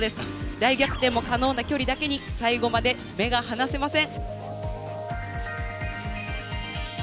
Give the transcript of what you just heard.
大逆転も可能な距離だけに最後まで目が離せません。